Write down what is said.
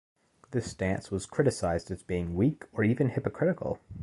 This stance was criticised as being weak or even hypocritical.